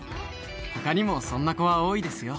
ほかにもそんな子は多いですよ。